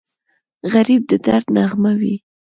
غریب د درد نغمه وي